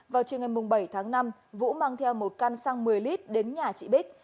vào chiều ngày bảy tháng năm vũ mang theo một căn xăng một mươi lit đến nhà chị bích